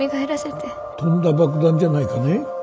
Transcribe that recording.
とんだ爆弾じゃないかね？